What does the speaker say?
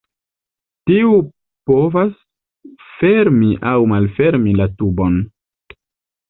Tiu povas fermi aŭ malfermi la tubon.